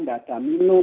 tidak ada minum